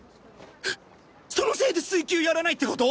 そのせいで水球やらないって事！？